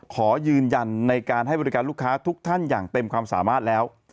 ขอยืนยันในการให้บริการลูกค้าทุกท่านอย่างเต็มความสามารถแล้ว